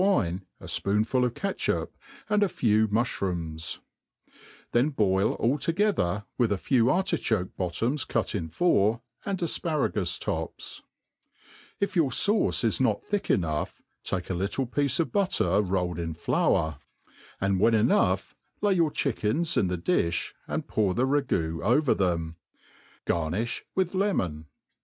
wine, a fpoonful of catchup, and a fe^ ftiufhrooms ; then boil all together, with a few artichoke bot toms cue in fouT) and afparagus^tops* If your fauce is not thick ^ tut AitT dP C<)OItERY thick enough, take a little pi^ce of butter rolled in flour ^ anct i^hen enough, lajr your chickens in the difli, and pour the ra« goo over thttn* OarniQi with lemon.